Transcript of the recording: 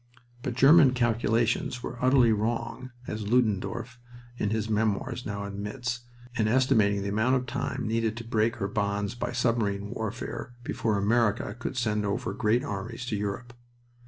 But German calculations were utterly wrong, as Ludendorff in his Memoirs now admits, in estimating the amount of time needed to break her bonds by submarine warfare before America could send over great armies to Europe.